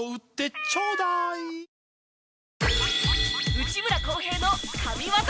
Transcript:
内村航平の神技